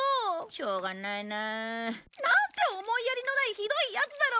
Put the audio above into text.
しょうがないなあ。なんて思いやりのないひどいヤツだろう！